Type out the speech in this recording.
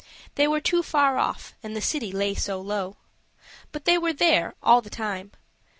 They were too far off, and the city lay so low. But there they were, all the time.